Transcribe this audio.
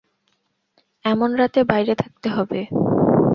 এমন রাতে বাইরে থাকতে হবে?